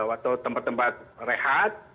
atau tempat tempat rehat